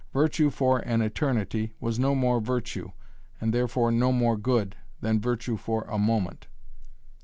Virtue for an eternity was no more virtue, and therefore no more good, than virtue for a moment.